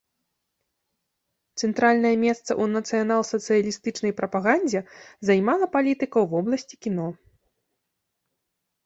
Цэнтральнае месца ў нацыянал-сацыялістычнай прапагандзе займала палітыка ў вобласці кіно.